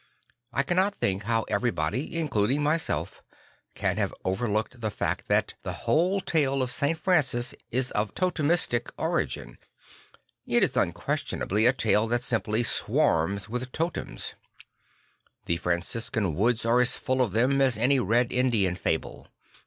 I cannot think how every body, including myself, can have overlooked the fact that the whole tale of St. Francis is of Totemistic origin. It is unquestionably a tale that simply swarms with totems. The Franciscan woods are as full of them as any Red Indian fable.